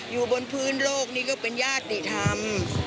อยู่บนพื้นโลกนี่ก็เป็นญาติธรรม